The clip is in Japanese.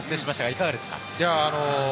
いかがですか？